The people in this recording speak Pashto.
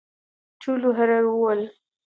ټولو هررر وهل.